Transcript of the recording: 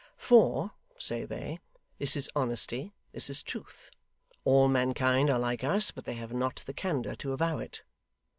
'For,' say they, 'this is honesty, this is truth. All mankind are like us, but they have not the candour to avow it.